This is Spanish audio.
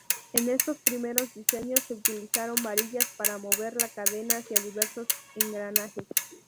En estos primeros diseños, se utilizaron varillas para mover la cadena hacia diversos engranajes.